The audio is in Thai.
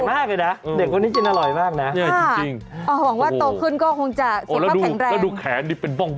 ประกงสักเกียรติไม่ต้องช้อนซ่อมไม่จำเป็น